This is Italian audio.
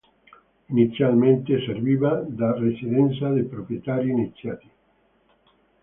Inizialmente serviva da residenza dei proprietari iniziali.